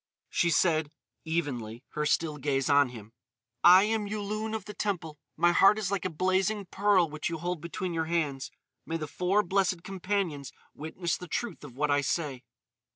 She said, evenly, her still gaze on him: "I am Yulun of the Temple. My heart is like a blazing pearl which you hold between your hands. May the four Blessed Companions witness the truth of what I say."